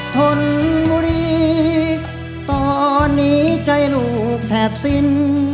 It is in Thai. ทนบุรีตอนนี้ใจลูกแทบสิ้น